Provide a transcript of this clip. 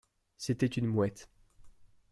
C’était une mouette.